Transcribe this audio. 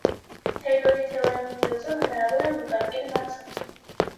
Թեյլորի թեորեմի միջոցով հնարավոր է մոտարկել մնացորդը։